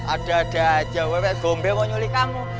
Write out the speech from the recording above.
ada ada aja wewe gombel mau nyulik kamu